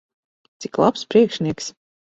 Cik labs priekšnieks!